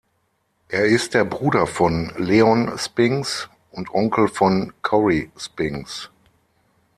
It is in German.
Er ist der Bruder von Leon Spinks und Onkel von Cory Spinks.